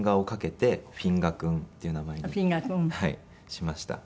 しました。